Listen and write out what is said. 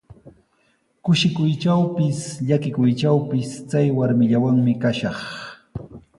Kushikuytrawpis, llakikuytrawpis chay warmillawanmi kashaq.